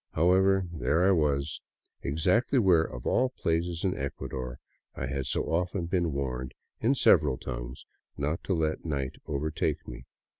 However, there I was, exactly where, of all places in Ecuador, I had so often been warned in several tongues not to let night overtake me.